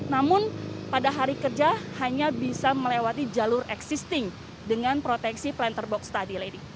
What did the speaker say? namun pada hari kerja hanya bisa melewati jalur existing dengan proteksi planter box tadi lady